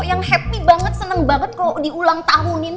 yang happy banget seneng banget kalau diulang tahunin